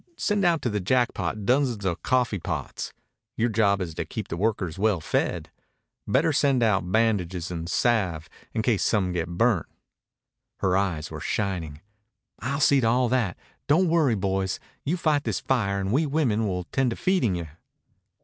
And send out to the Jackpot dozens of coffee pots. Your job is to keep the workers well fed. Better send out bandages and salve, in case some get burnt." Her eyes were shining. "I'll see to all that. Don't worry, boys. You fight this fire, and we women will 'tend to feeding you."